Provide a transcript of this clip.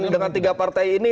dengan tiga partai ini